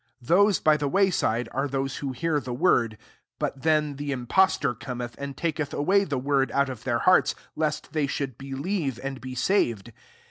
H Those by the way «We are those who hear ihe word : but then the itnpostof coraeth, and taketh awav the word out of thek hearts, lest they should believe and be saved.